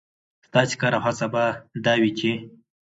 ستاسې کار او هڅه به دا وي، چې